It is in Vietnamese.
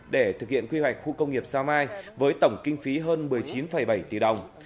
để thực hiện quy hoạch khu công nghiệp sao mai với tổng kinh phí hơn một mươi chín bảy tỷ đồng